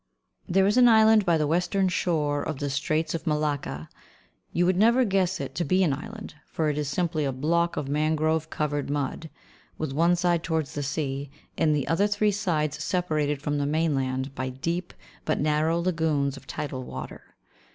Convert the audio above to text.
There is an island by the western shore of the Straits of Malacca. You would never guess it to be an island, for it is simply a block of mangrove covered mud, with one side towards the sea, and the other three sides separated from the mainland by deep but narrow lagoons of tidal water.